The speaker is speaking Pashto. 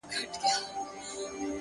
o لكه ژړا؛